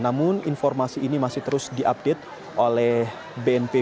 namun informasi ini masih terus diupdate oleh bnpb